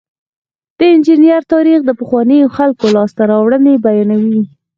د انجنیری تاریخ د پخوانیو خلکو لاسته راوړنې بیانوي.